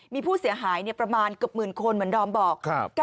มีผู้เสียหายประมาณเกือบหมื่นคนเหมือนดอมบอก